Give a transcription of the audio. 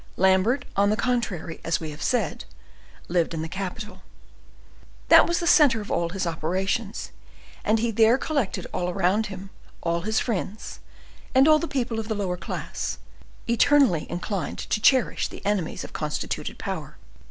Lambert, on the contrary, as we have said, lived in the capital. That was the center of all his operations, and he there collected all around him all his friends, and all the people of the lower class, eternally inclined to cherish the enemies of constituted power.